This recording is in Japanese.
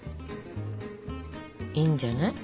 いいんじゃない？